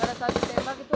ada saat ditembak itu